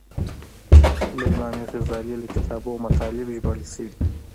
له امام غزالي له کتابو مطالب ژباړل شوي.